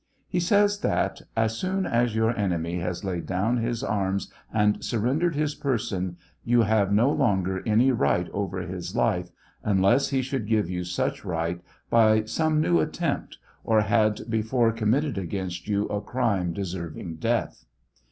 Hesays that, " as soon as your enemy has laid down his arms and surrendered his person, you have no longer any right over his life unless he should give you such right by some new attempt, or had before committed against you a crime deserving death."